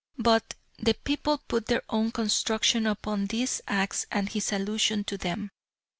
But the people put their own construction upon these acts and his allusion to them.